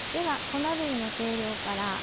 粉類の計量から。